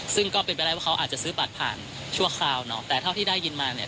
ซึ่งก็เป็นไปได้ว่าเขาอาจจะซื้อบัตรผ่านชั่วคราวเนอะแต่เท่าที่ได้ยินมาเนี่ย